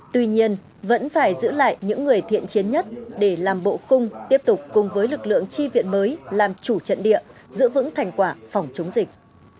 tuy nhiên vẫn phải giữ lại những người thiện chiến nhất để làm bộ cung tiếp tục cùng với lực lượng chi viện mới làm chủ trận địa giữ vững thành quả phòng chống dịch